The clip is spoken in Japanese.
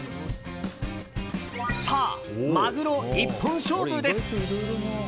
さあ、マグロ一本勝負です。